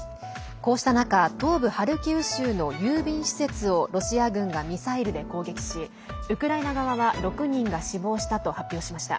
こうした中東部ハルキウ州の郵便施設をロシア軍がミサイルで攻撃しウクライナ側は６人が死亡したと発表しました。